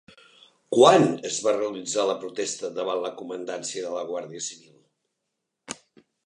Quan es va realitzar la protesta davant la comandància de la Guàrdia Civil?